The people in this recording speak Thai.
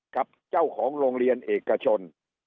กับเจ้าของโรงเรียนเอกชน